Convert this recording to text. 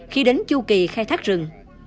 khi đến chu kỳ khai thác rừng